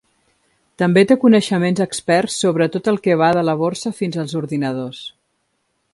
També té coneixements experts sobre tot el que va de la borsa fins als ordinadors.